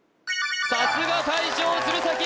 さすが大将鶴崎